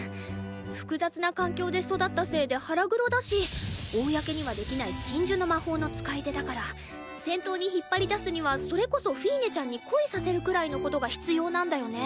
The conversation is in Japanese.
複雑な環境で育ったせいで腹黒だし公にはできない禁呪の魔法の使い手だから戦闘に引っ張り出すにはそれこそフィーネちゃんに恋させるくらいのことが必要なんだよね。